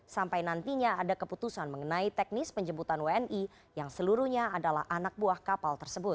sampai nantinya ada keputusan mengenai teknis penjemputan wni yang seluruhnya adalah anak buah kapal tersebut